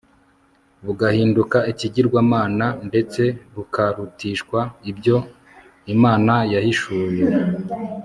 bugahinduka ikigirwamana ndetse bukarutishwa ibyo Imana yahishuye